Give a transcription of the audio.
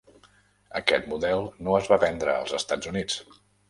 Aquest model no es va vendre als Estats Units.